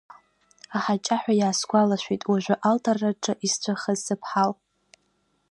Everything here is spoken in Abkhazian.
Аҳаҷаҳәа иаасгәалашәеит уажәы алтарраҿы исҵәахыз сыԥҳал.